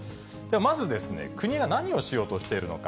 まずですね、国が何をしようとしているのか。